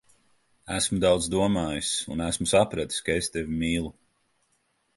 Esmu daudz domājis, un esmu sapratis, ka es tevi mīlu.